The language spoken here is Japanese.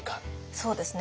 そうですね。